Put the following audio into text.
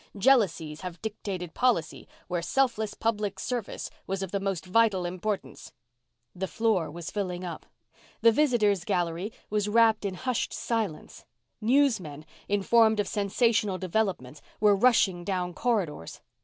Jealousies have dictated policy where selfless public service was of the most vital importance ..." The floor was filling up. The visitor's gallery was wrapped in hushed silence. Newsmen, informed of sensational developments, were rushing down corridors.